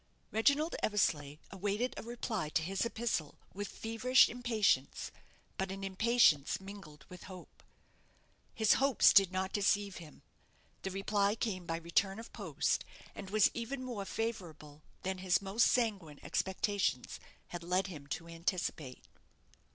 Reginald Eversleigh awaited a reply to his epistle with feverish impatience; but an impatience mingled with hope. His hopes did not deceive him. The reply came by return of post, and was even more favourable than his most sanguine expectations had led him to anticipate.